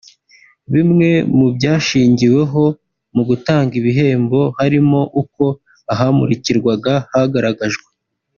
Bimwe mu byashingiweho mu gutanga ibihembo harimo uko ahamurikirwaga hagaragajwe